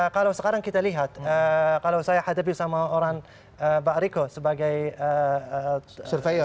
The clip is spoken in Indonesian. kalau sekarang kita lihat kalau saya hadapi sama orang mbak rico sebagai surveyor ya